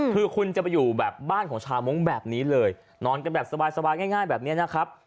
คือคุณจะไปอยู่แบบบ้านของชาวมงค์แบบนี้เลยนอนกันแบบสบายง่ายแบบนี้นะครับ